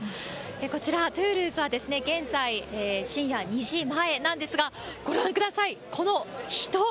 こちら、トゥールーズは現在深夜２時前なんですが、ご覧ください、この人。